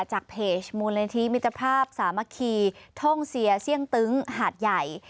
จากเพจมูลนิธิมิตรภาพสามัคคีท่องเซียเสี่ยงตึ้งหาดใหญ่